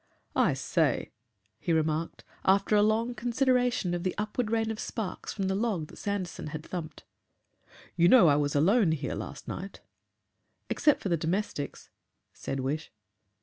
"I say!" he remarked, after a long consideration of the upward rain of sparks from the log that Sanderson had thumped, "you know I was alone here last night?" "Except for the domestics," said Wish.